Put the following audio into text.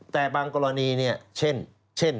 แต่บางกรณีเนี่ยเช่น